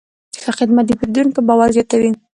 ښه خدمت د پیرودونکي باور زیاتوي.